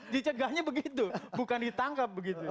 dicegahnya begitu bukan ditangkap begitu